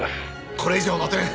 これ以上待てん！